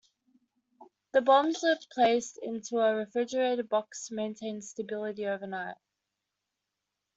The bombs were placed into a refrigerated box to maintain stability overnight.